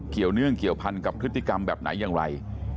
เกี่ยวเนื่องเกี่ยวพันธุ์กับฤทธิกรรมแบบไหนอย่างไร